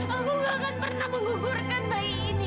aku gak akan pernah menggugurkan bayi ini